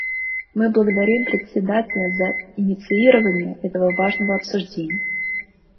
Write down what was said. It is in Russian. Мы благодарим Председателя за инициирование этого важного обсуждения.